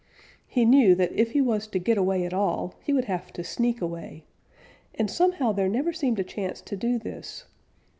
He knew that if he was to get away at all he would have to sneak away, and somehow there never seemed a chance to do this.